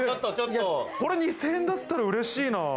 これ２０００円だったら嬉しいな。